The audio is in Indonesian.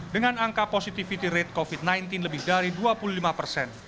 dengan angka positivity rate covid sembilan belas lebih dari dua puluh lima persen